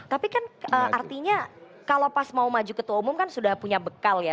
tapi kan artinya kalau pas mau maju ketua umum kan sudah punya bekal ya